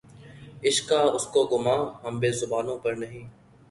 عشق کا‘ اس کو گماں‘ ہم بے زبانوں پر نہیں